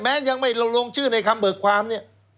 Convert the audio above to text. ยังไม่ลงชื่อในคำเบิกความเนี่ย